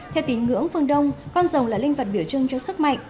theo tín ngưỡng phương đông con rồng là linh vật biểu trưng cho sức mạnh